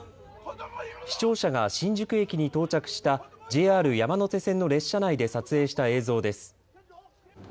視聴者が新宿駅に到着したＪＲ山手線の列車内で撮影した映像です。